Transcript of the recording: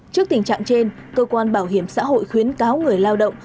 trước tình trạng trên cơ quan bảo hiểm xã hội khuyến cáo người lao động